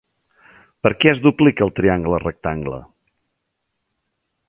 Per què es duplica el triangle rectangle?